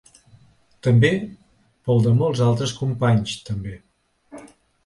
També pel de molts altres companys, també.